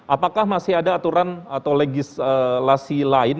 apakah masih ada aturan atau legislasi lain